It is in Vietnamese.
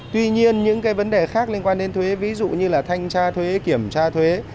tuy nhiên những cái vấn đề khác liên quan đến thuế ví dụ như là thanh tra thuế kiểm tra thuế